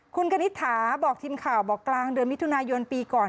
คุณกณิตถาบอกทีมข่าวบอกกลางเดือนมิถุนายนปีก่อน